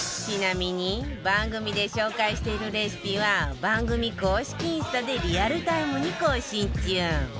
ちなみに番組で紹介しているレシピは番組公式インスタでリアルタイムに更新中